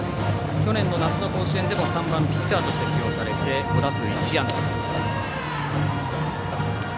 去年の夏の甲子園でも３番ピッチャーとして起用されて５打数１安打。